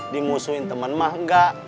dimusuhin temen mah nggak